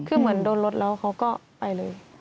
คือเหมือนโดนรถแล้วเขาก็ไปเลย